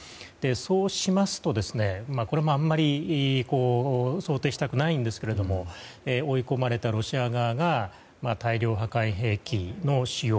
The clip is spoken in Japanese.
そうしますと、これもあまり想定したくないんですが追い込まれたロシア側が大量破壊兵器の使用